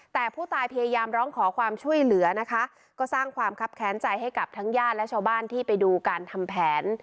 แต่ผู้ตายพยายามร้องขอความช่วยเหลือนะคะก็สร้างความคับแค้นใจให้กับทั้งญาติและชาวบ้านที่ไปดูการทำแผน